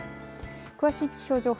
詳しい気象情報